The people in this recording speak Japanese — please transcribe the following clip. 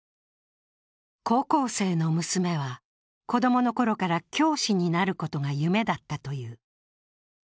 高校生の娘は子供のころから教師になることが夢だったという。